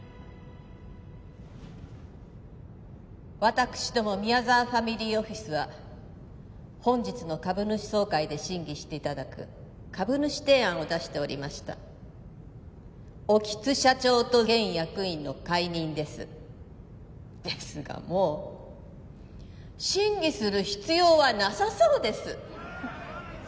私ども宮沢ファミリーオフィスは本日の株主総会で審議していただく株主提案を出しておりました興津社長と現役員の解任ですですがもう審議する必要はなさそうです